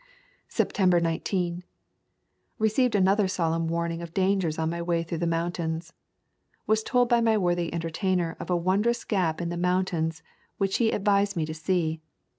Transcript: September 19. Received another solemn warn ing of dangers on my way through the moun tains. Was told by my worthy entertainer of a wondrous gap in the mountains which he ad vised me to see.